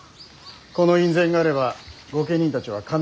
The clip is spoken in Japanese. この院宣があれば御家人たちは必ず従う。